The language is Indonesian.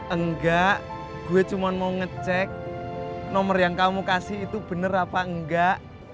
enggak gue cuma mau ngecek nomor yang kamu kasih itu benar apa enggak